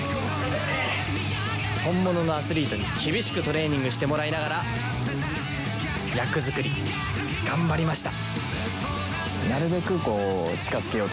本物のアスリートに厳しくトレーニングしてもらいながら役作り頑張りました。